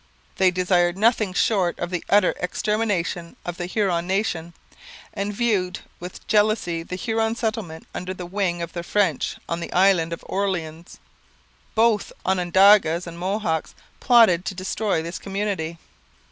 They desired nothing short of the utter extermination of the Huron nation, and viewed with jealousy the Huron settlement under the wing of the French on the island of Orleans. Both Onondagas and Mohawks plotted to destroy this community.